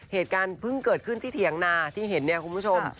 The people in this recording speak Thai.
เหตุการณ์เพิ่งเกิดขึ้นที่เถียงนาที่เห็นเนี่ยคุณผู้ชม